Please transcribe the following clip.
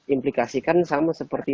implikasikan sama seperti